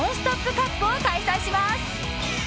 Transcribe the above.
カップを開催します！